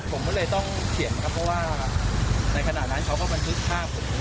ผมก็เลยต้องเขียนครับเพราะว่าในขณะนั้นเขาก็บันทึกภาพผม